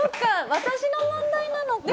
私の問題なのか。